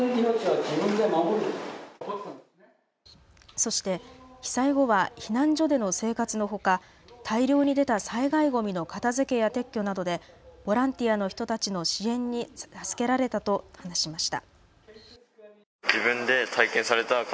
そして被災後は避難所での生活のほか、大量に出た災害ごみの片づけや撤去などでボランティアの人たちの支援に助けられたと話しました。